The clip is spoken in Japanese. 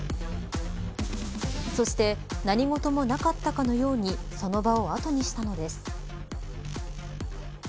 そして何事もなかったかのようにその場を後にしたのです。